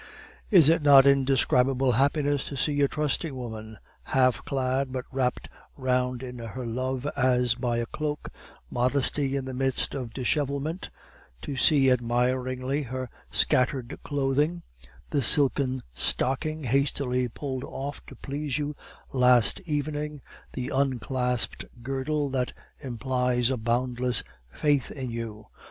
Is it not indescribable happiness to see a trusting woman, half clad, but wrapped round in her love as by a cloak modesty in the midst of dishevelment to see admiringly her scattered clothing, the silken stocking hastily put off to please you last evening, the unclasped girdle that implies a boundless faith in you.